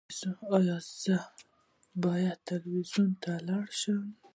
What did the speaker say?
ایا زه باید تلویزیون ته لاړ شم؟